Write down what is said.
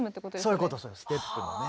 そういうことステップのね。